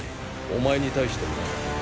お前に対してもな。